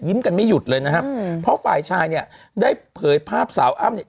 กันไม่หยุดเลยนะครับเพราะฝ่ายชายเนี่ยได้เผยภาพสาวอ้ำเนี่ย